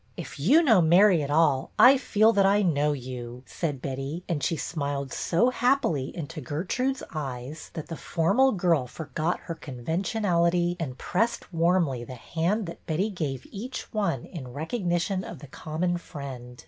" If you know Mary at all, I feel that I know you," said Betty, and she smiled so happily into Gertrude's eyes that the formal girl forgot her conventionality and pressed warmly the hand that Betty gave each one in recognition of the common friend.